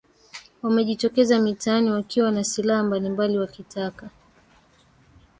wamejitokeza mitaani wakiwa na silaha mbalimbali wakitaka